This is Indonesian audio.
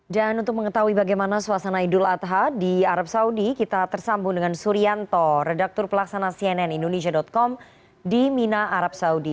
dan untuk mengetahui bagaimana suasana idul adha di arab saudi kita tersambung dengan surianto redaktur pelaksana cnn indonesia com di mina arab saudi